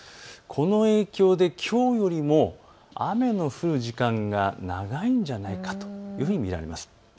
この影響できょうよりも雨の降る時間が長いんじゃないかというふうに見られます。